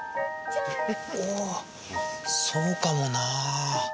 おぉそうかもな。